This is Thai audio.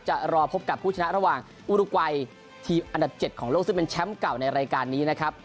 จะรอพบกับผู้ชนะระหว่างอุรกวัยทีมอันดับ๗ของโลกซึ่งเป็นแชมป์เก่าในรายการนี้นะครับ